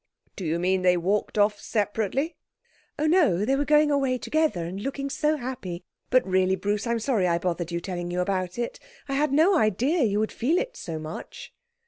'Do you mean they walked off separately?' 'Oh, no! They were going away together, and looking so happy. But really, Bruce, I'm sorry I bothered you, telling you about it. I had no idea you would feel it so much.'